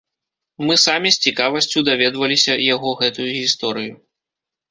Мы самі з цікавасцю даведваліся яго гэтую гісторыю.